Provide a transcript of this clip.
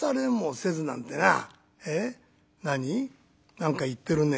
何か言ってるね。